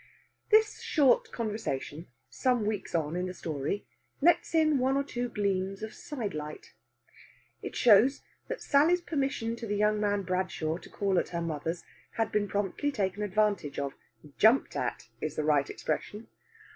This short conversation, some weeks on in the story, lets in one or two gleams of side light. It shows that Sally's permission to the young man Bradshaw to call at her mother's had been promptly taken advantage of jumped at is the right expression.